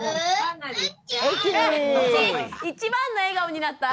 一番の笑顔になった。